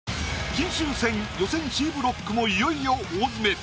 金秋戦予選Ｃブロックもいよいよ大詰め。